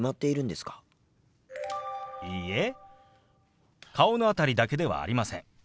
いいえ顔の辺りだけではありません。